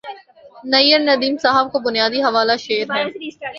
نیّرندیم صاحب کا بنیادی حوالہ شعر ہے